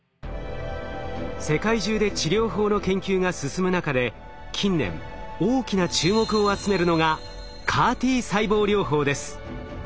世界中で治療法の研究が進む中で近年大きな注目を集めるのがＣＡＲ−Ｔ細胞。